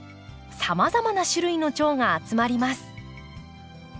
さまざまな種類のチョウが集まります。